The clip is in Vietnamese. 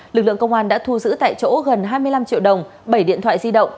lực lượng công an đã thu giữ tại chỗ gần hai mươi năm triệu đồng bảy điện thoại di động